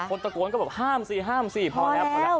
คนตะโกนแบบห้ามสิห้ามสิพอแล้ว